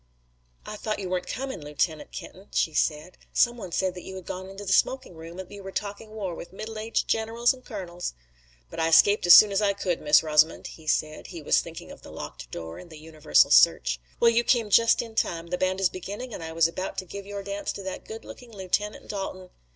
"I thought you weren't coming, Lieutenant Kenton," she said. "Some one said that you had gone into the smoking room and that you were talking war with middle aged generals and colonels." "But I escaped as soon as I could, Miss Rosamond," he said he was thinking of the locked door and the universal search. "Well, you came just in time. The band is beginning and I was about to give your dance to that good looking Lieutenant Dalton."